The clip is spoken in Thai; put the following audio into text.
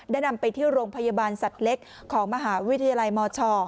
นำไปที่โรงพยาบาลสัตว์เล็กของมหาวิทยาลัยมช